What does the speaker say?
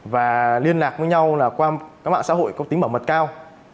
và liên lạc với nhau là qua các mạng xã hội có tính bảo mật cao